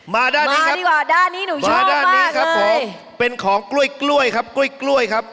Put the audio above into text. มาด้านนี้ครับมาด้านนี้หนูชอบมากเลยมาด้านนี้ครับผมเป็นของกล้วยกล้วยครับกล้วยกล้วยครับ